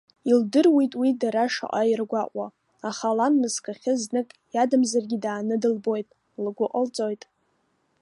Илдыруеит уи дара шаҟа иаргәаҟуа, аха лан мызкахьы знык иадамзаргьы дааны дылбоит, лгәы ҟалҵоит.